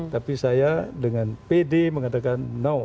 tapi saya dengan pede mengatakan no